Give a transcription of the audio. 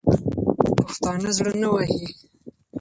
پښتانه زړه نه وهي.